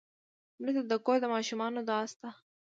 مړه ته د کور د ماشومانو دعا شته